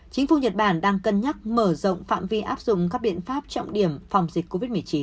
chính phủ nhật bản đang cân nhắc mở rộng phạm vi áp dụng các biện pháp trọng điểm phòng dịch covid một mươi chín